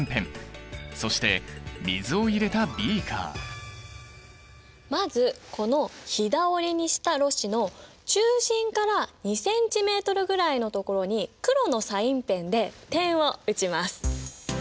使うのはまずこのひだ折りにしたろ紙の中心から２ｃｍぐらいのところに黒のサインペンで点を打ちます。